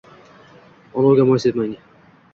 Olovga moy sepmang.